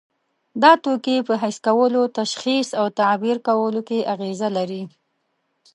دا توکي په حس کولو، تشخیص او تعبیر کولو کې اغیزه لري.